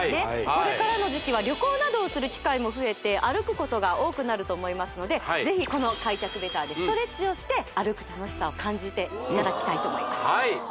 これからの時期は旅行などをする機会も増えて歩くことが多くなると思いますのでぜひこの開脚ベターでストレッチをして歩く楽しさを感じていただきたいと思います